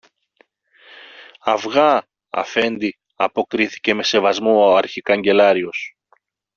Αυγά, Αφέντη, αποκρίθηκε με σεβασμό ο αρχικαγκελάριος.